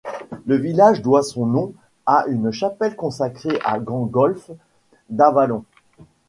Le village doit son nom à une chapelle consacrée à Gangolf d'Avallon.